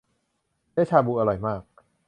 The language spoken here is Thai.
เนื้อชาบูอร่อยมาก